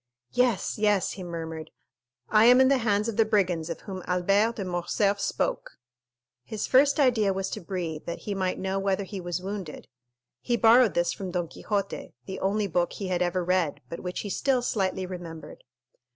"Yes, yes," he murmured, "I am in the hands of the brigands of whom Albert de Morcerf spoke." His first idea was to breathe, that he might know whether he was wounded. He borrowed this from Don Quixote, the only book he had ever read, but which he still slightly remembered.